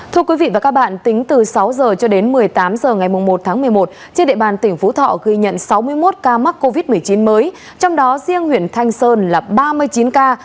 thưa quý vị và các bạn tính từ sáu h cho đến một mươi tám h ngày một tháng một mươi một trên địa bàn tỉnh phú thọ ghi nhận sáu mươi một ca mắc covid một mươi chín mới trong đó riêng huyện thanh sơn là ba mươi chín ca